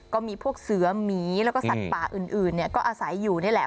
ก็มีพวกเสือหมีแล้วก็สัตว์ป่าอื่นก็อาศัยอยู่นี่แหละ